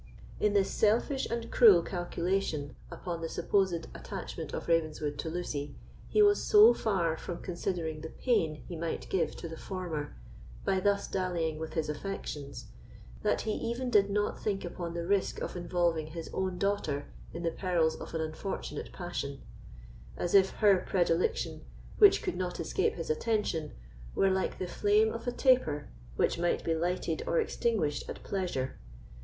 In this selfish and cruel calculation upon the supposed attachment of Ravenswood to Lucy, he was so far from considering the pain he might give to the former, by thus dallying with his affections, that he even did not think upon the risk of involving his own daughter in the perils of an unfortunate passion; as if her predilection, which could not escape his attention, were like the flame of a taper which might be lighted or extinguished at pleasure.